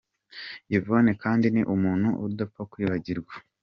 Yvonne kandi ni umuntu udapfa kwibagirwa.